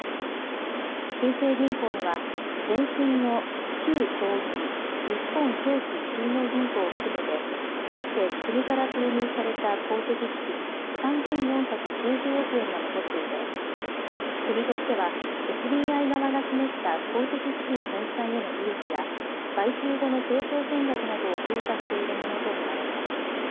新生銀行には、前身の旧長銀・日本長期信用銀行を含めて、かつて国から投入された公的資金３４９０億円が残っていて、国としてはＳＢＩ側が示した公的資金返済への意欲や、買収後の成長戦略などを評価しているものと見られます。